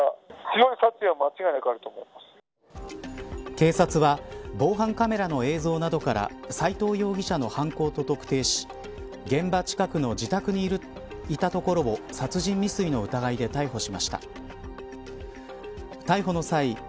警察は防犯カメラの映像などから斎藤容疑者の犯行と特定し現場近くの自宅にいたところを殺人未遂の疑いで逮捕しました。